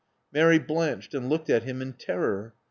Mary blanched, and looked at him in terror.